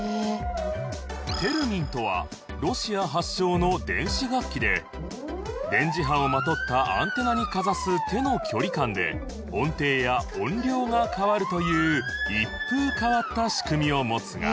テルミンとはロシア発祥の電子楽器で電磁波をまとったアンテナにかざす手の距離感で音程や音量が変わるという一風変わった仕組みを持つが